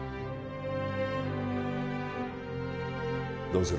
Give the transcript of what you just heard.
どうする？